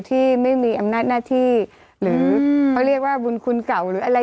ที่ไม่มีอำนาจหน้าที่หรือเขาเรียกว่าบุญคุณเก่าหรืออะไร